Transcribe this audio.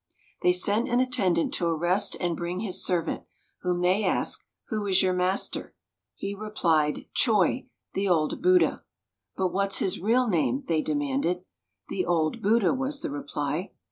They sent an attendant to arrest and bring his servant, whom they asked, "Who is your master?" He replied, "Choi, the Old Buddha." "But what's his real name?" they demanded. "The old Buddha," was the reply.